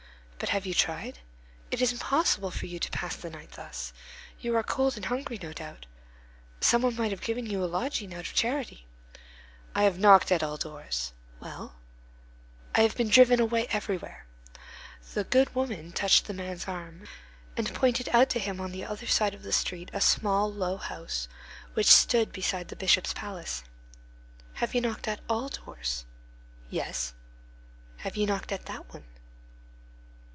But have you tried? It is impossible for you to pass the night thus. You are cold and hungry, no doubt. Some one might have given you a lodging out of charity." "I have knocked at all doors." "Well?" "I have been driven away everywhere." The "good woman" touched the man's arm, and pointed out to him on the other side of the street a small, low house, which stood beside the Bishop's palace. "You have knocked at all doors?" "Yes." "Have you knocked at that one?"